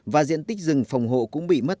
và diện tích rừng phòng hộ cũng bị mất